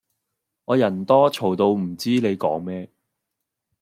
我人多嘈到唔知你講咩